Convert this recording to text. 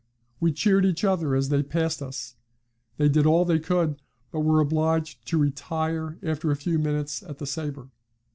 We cheered each other as they passed us; they did all they could, but were obliged to retire after a few minutes at the sabre.